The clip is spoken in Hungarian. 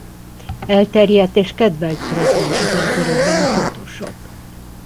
Elterjedt és kedvelt program ezen körökben a Photoshop.